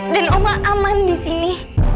dan oma aman disini